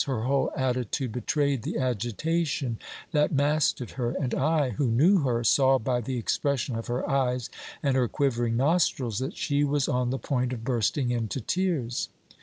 Her whole attitude betrayed the agitation that mastered her, and I, who knew her, saw by the expression of her eyes and her quivering nostrils that she was on the point of bursting into tears.